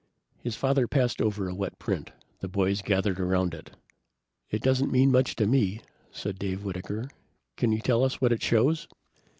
His father passed over a wet print. The boys gathered around it. "It doesn't mean much to me," said Dave Whitaker. "Can you tell us what it shows?"